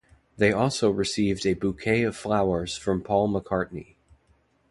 They also received a bouquet of flowers from Paul McCartney.